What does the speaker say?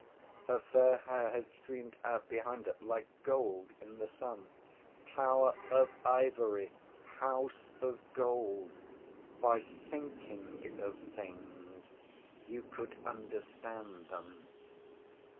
Her fair hair had streamed out behind her like gold in the sun. Tower of Ivory. House of Gold. By thinking of things you could understand them.